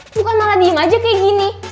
bukan malah diem aja kayak gini